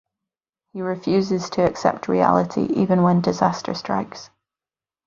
He refuses to accept reality even when disaster strikes.